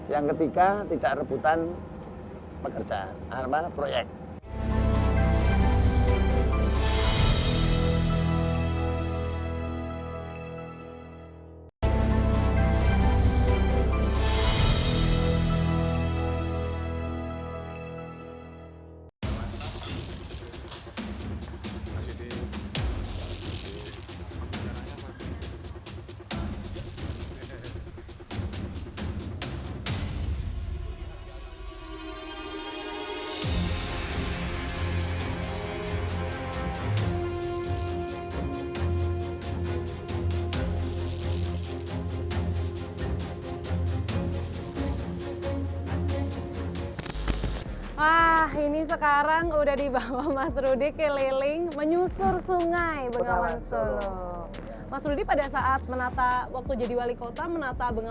yang ketiga tidak rebutan pekerjaan